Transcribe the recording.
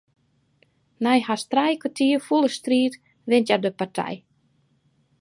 Nei hast trije kertier fûle striid wint hja de partij.